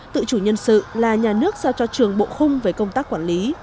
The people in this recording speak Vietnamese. tự chủ nhân sự là nhà nước giao cho trường bộ khung về công tác quản lý